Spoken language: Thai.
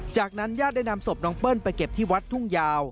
จากนั้นญาติได้นำศพน้องเปิ้ลไปเก็บที่วัดทุ่งยาว